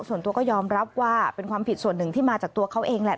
ส่วนตัวก็ยอมรับว่าเป็นความผิดส่วนหนึ่งที่มาจากตัวเขาเองแหละ